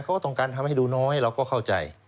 เขาก็ต้องการทำให้ดูน้อยเราก็เข้าใจ